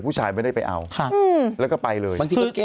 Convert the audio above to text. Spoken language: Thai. ผู้ชายไม่ได้ไปเอาแล้วก็ไปเลย